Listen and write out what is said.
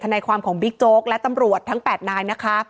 ในความของบิ๊กโจ๊กและตำรวจทั้ง๘นายนะคะ